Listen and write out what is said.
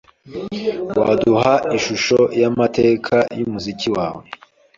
waduha ishusho y’amateka y’umuziki wawe?